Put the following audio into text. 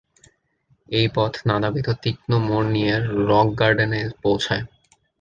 এই পথ নানাবিধ তীক্ষ্ণ মোড় নিয়ে রক গার্ডেনে পৌঁছায়।